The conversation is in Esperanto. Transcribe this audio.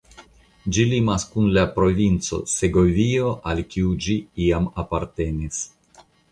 Ĝi limas kun la provinco Segovio al kiu ĝi iam apartenis.